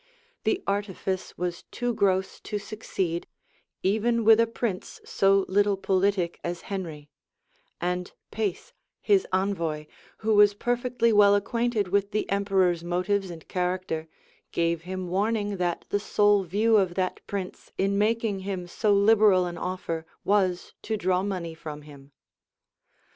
The artifice was too gross to succeed, even with a prince so little politic as Henry; and Pace, his envoy, who was perfectly well acquainted with the emperor's motives and character, gave him warning that the sole view of that prince, in making him so liberal an offer, was to draw money from him.